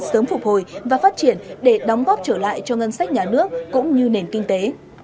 sớm phục hồi và phát triển để đóng góp trở lại cho ngân sách nhà nước cũng như nền kinh tế